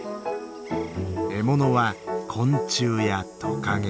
獲物は昆虫やトカゲ。